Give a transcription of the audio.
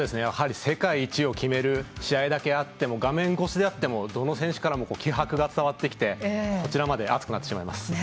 世界一を決める試合だけあって画面越しでもどの選手からも気迫が伝わってきてこちらまで熱くなってしまいます。